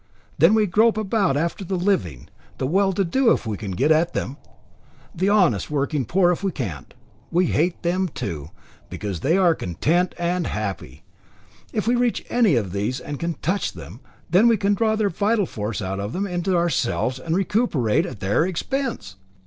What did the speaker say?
Then we grope about after the living. The well to do if we can get at them the honest working poor if we can't we hate them too, because they are content and happy. If we reach any of these, and can touch them, then we can draw their vital force out of them into ourselves, and recuperate at their expense.